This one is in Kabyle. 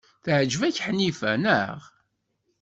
Teɛjeb-ak Ḥnifa, naɣ?